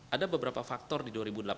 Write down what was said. ada beberapa faktor di dua ribu delapan belas